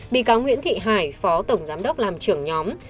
bị cáo nguyễn thị hải phó tổng giám đốc làm trưởng nhóm